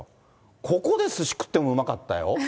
ここで、すし食ってもうまかったよ。